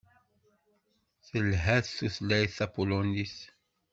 Telhat tutlayt tapulunit.